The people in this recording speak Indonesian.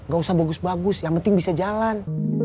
gausah bagus bagus yang penting bisa jalan